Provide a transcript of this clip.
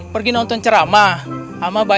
palingan bentar lagi